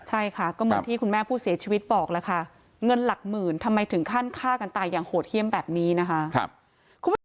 ใช่ค่ะก็เหมือนที่คุณแม่ผู้เสียชีวิตบอกแล้วค่ะเงินหลักหมื่นทำไมถึงขั้นฆ่ากันตายอย่างโหดเยี่ยมแบบนี้นะคะ